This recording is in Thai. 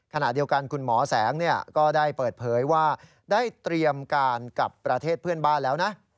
ขณะเดียวกันคุณหมอแสงก็ได้เปิดเผยว่าได้เตรียมการกับประเทศเพื่อนบ้านแล้วนะ